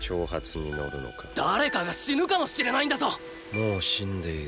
もう死んでいる。